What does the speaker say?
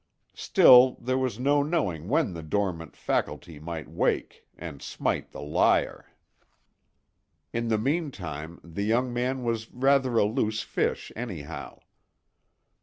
Still, there was no knowing when the dormant faculty might wake and smite the lyre. In the meantime the young man was rather a loose fish, anyhow.